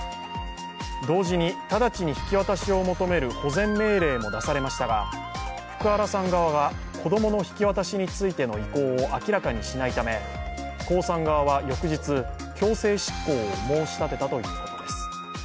同時に直ちに引き渡しを求める保全命令も明らかにされましたが、福原さん側が子供の引き渡しについての意向を明らかにしないため、江さん側は翌日、強制執行を申し立てたということです。